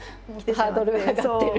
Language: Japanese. ハードルが上がってる。